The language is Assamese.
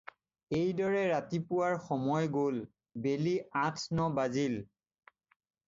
এইদৰে ৰাতিপুৱাৰ সময় গ'ল, বেলি আঠ-ন বাজিল।